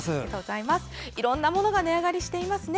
いろんなものが値上がりしていますね。